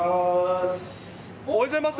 おはようございます。